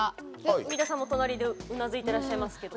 三田さんも隣でうなずいてらっしゃいますけど。